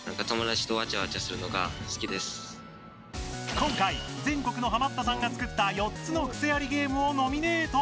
今回全国のハマったさんが作った４つのクセありゲームをノミネート。